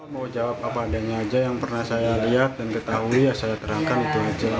mau jawab apa adanya aja yang pernah saya lihat dan ketahui ya saya terangkan itu aja